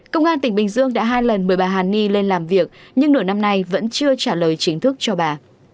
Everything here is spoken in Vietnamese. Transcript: công an tp hcm đã hai lần mời bà hà ni lên làm việc nhưng nửa năm nay vẫn chưa trả lời chính thức cho bà